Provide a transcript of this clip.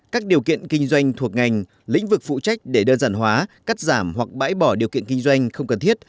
các điều kiện kinh doanh thuộc ngành lĩnh vực phụ trách để đơn giản hóa cắt giảm hoặc bãi bỏ điều kiện kinh doanh không cần thiết